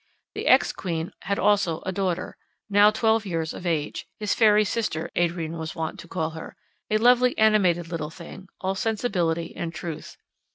The ex queen had also a daughter, now twelve years of age; his fairy sister, Adrian was wont to call her; a lovely, animated, little thing, all sensibility and truth.